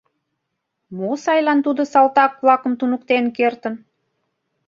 Мо сайлан тудо салтак-влакым туныктен кертын?